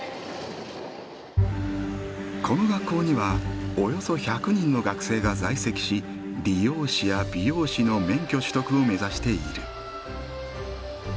この学校にはおよそ１００人の学生が在籍し理容師や美容師の免許取得を目指している。